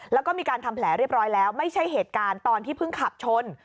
แล้วก็มีการทำแผลเรียบร้อยแล้วไม่ใช่เหตุการณ์ตอนที่เพิ่งขับชน